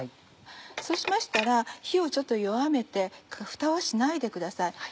そうしましたら火をちょっと弱めてふたはしないでください。